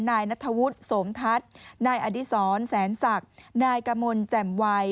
นายนัทธวุฒิสมทัศน์นายอดีศรแสนศักดิ์นายกมลแจ่มวัย